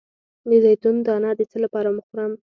د زیتون دانه د څه لپاره مه خورم؟